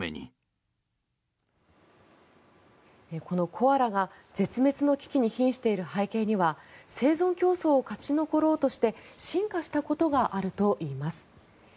このコアラが絶滅の危機にひんしている背景には生存競争を勝ち残ろうとして進化したことがあるといいます。